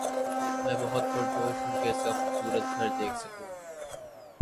میں بہت پرجوش ہوں کہ اس کا خوبصورت گھر دیکھ سکوں